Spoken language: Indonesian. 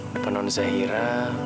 depan nona zahira